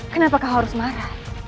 kenapa kau harus marah